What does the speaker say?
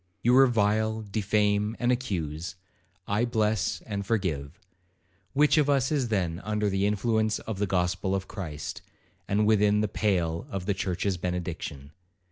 You revile, defame, and accuse,—I bless and forgive; which of us is then under the influence of the gospel of Christ, and within the pale of the church's benediction?